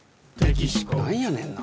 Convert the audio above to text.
なんやねんな。